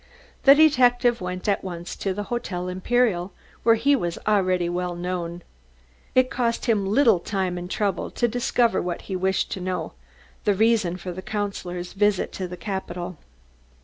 The detective went at once to the Hotel Imperial, where he was already well known. It cost him little time and trouble to discover what he wished to know, the reason for the Councillor's visit to the capital.